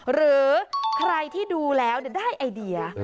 หรือใครที่ดูแล้วได้ไอเดีย